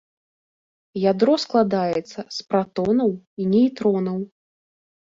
Ядро складаецца з пратонаў і нейтронаў.